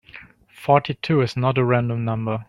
Forty-two is not a random number.